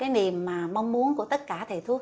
niềm mong muốn của tất cả thầy thuốc